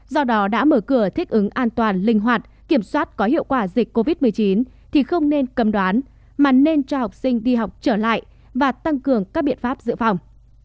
do đó đã mở cửa thích ứng an toàn linh hoạt kiểm soát có hiệu quả dịch covid một mươi chín thì không nên cầm đoán mà nên cho học sinh đi học trở lại và tăng cường các biện pháp dự phòng